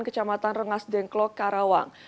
kecamatan rengas dengklok karawang